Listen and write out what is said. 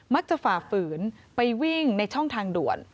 ฝ่าฝืนไปวิ่งในช่องทางด่วน